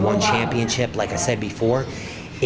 di one championship seperti yang saya katakan sebelumnya